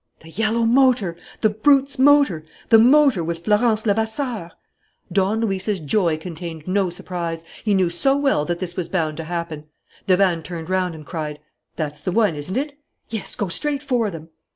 The yellow motor! The brute's motor! The motor with Florence Levasseur! Don Luis's joy contained no surprise. He knew so well that this was bound to happen! Davanne turned round and cried: "That's the one, isn't it?" "Yes, go straight for them."